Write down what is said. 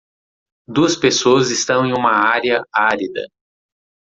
Duas pessoas estão em uma área árida.